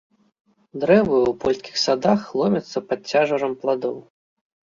Дрэвы ў польскіх садах ломяцца пад цяжарам пладоў.